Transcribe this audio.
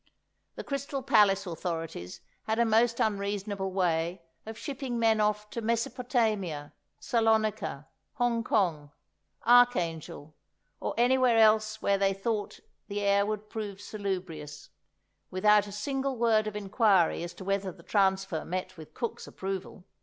The Crystal Palace authorities had a most unreasonable way of shipping men off to Mesopotamia, Salonika, Hongkong, Archangel, or anywhere else where they thought the air would prove salubrious, without a single word of inquiry as to whether the transfer met with cook's approval.